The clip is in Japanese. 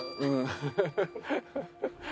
ハハハハ。